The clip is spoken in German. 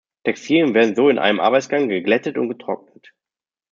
Textilien werden so in einem Arbeitsgang geglättet und getrocknet.